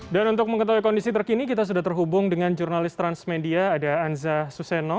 dan untuk mengetahui kondisi terkini kita sudah terhubung dengan jurnalis transmedia ada anza suseno